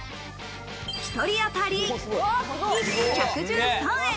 １人当たり、１１３円！